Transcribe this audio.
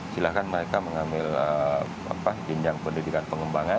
silahkan mereka mengambil jenjang pendidikan pengembangan